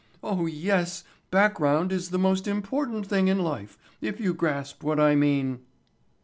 Oh, yes, background is the most important thing in life, if you grasp what I mean."